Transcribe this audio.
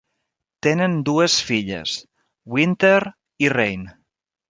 Tenen dues filles, Wynter i Raine.